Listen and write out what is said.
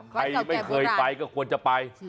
ใครไม่เคยไปก็ควรจะไป